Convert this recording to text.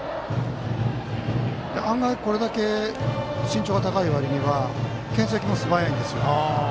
案外これだけ身長が高いわりにはけん制球もすばやいんですよ。